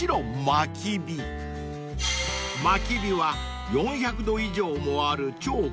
［まき火は４００度以上もある超高温］